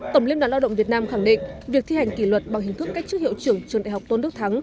tổng liên đoàn lao động việt nam khẳng định việc thi hành kỷ luật bằng hình thức cách chức hiệu trưởng trường đại học tôn đức thắng